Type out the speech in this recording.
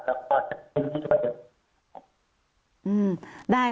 แล้วก็จะขึ้นที่ทุกวันเดียว